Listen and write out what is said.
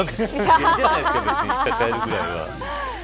いいじゃないですか別に１回変えるくらい。